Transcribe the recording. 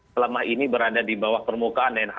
selama ini berada di bawah permukaan